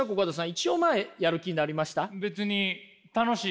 一応まあやる気になりました？